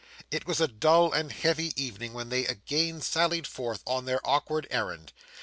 It was a dull and heavy evening when they again sallied forth on their awkward errand.